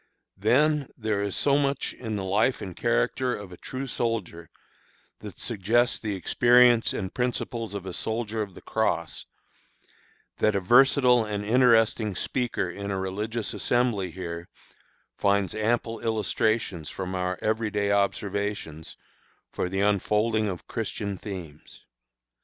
Then there is so much in the life and character of a true soldier that suggests the experience and principles of a soldier of the Cross, that a versatile and interesting speaker in a religions assembly here finds ample illustrations from our every day observations for the unfolding of Christian themes.